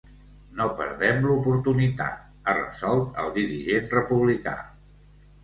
“No perdem l’oportunitat”, ha resolt el dirigent republicà.